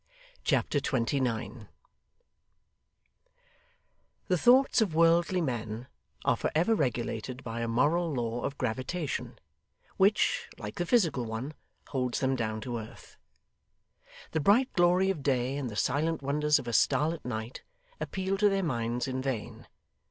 Chapter 29 The thoughts of worldly men are for ever regulated by a moral law of gravitation, which, like the physical one, holds them down to earth. The bright glory of day, and the silent wonders of a starlit night, appeal to their minds in vain.